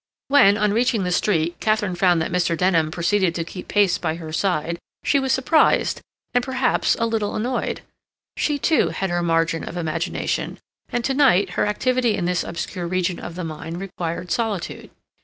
When, on reaching the street, Katharine found that Mr. Denham proceeded to keep pace by her side, she was surprised and, perhaps, a little annoyed. She, too, had her margin of imagination, and to night her activity in this obscure region of the mind required solitude.